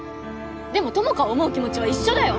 でも友果を思う気持ちは一緒だよ！